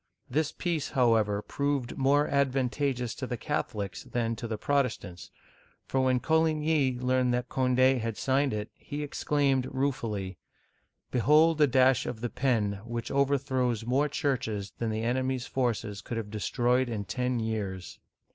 This peace, however, proved more advantageous to the Catholics than to the Protestants, for when Coligny learned that Cond6 had signed it, he exclaimed ruefully : "Behold a dash of the pen which overthrows more churches than the enemy's forces could have destroyed in ten years